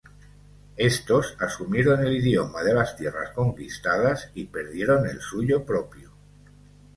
Estos asumieron el idioma de las tierras conquistadas y perdieron el suyo propio.